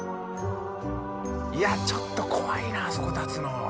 いやちょっと怖いなあそこ立つの。